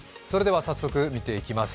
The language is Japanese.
早速、見ていきます。